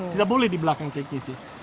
tidak boleh di belakang teknisi